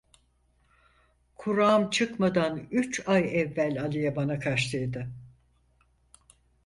Kuram çıkmadan üç ay evvel Aliye bana kaçtıydı.